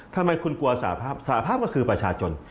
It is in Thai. ทำไมคุณกลัวสาภาพสหภาพก็คือประชาชน